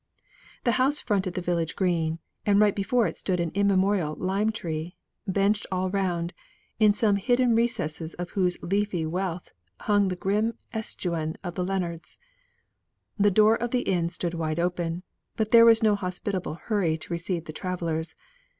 The house fronted the village green; and right before it stood an immemorial lime tree benched all round, in some hidden recesses of whose leafy wealth hung the grim escutcheon of the Lennards. The door of the inn stood wide open, but there was no hospitable hurry to receive the travellers.